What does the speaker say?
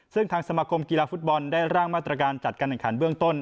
ซึ่งทางสมาคมกีฬาฟุตบอลได้ร่างมาตรการจัดการแห่งขันเบื้องต้น